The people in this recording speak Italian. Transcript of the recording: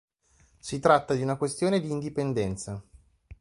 Si tratta di una questione di indipendenza...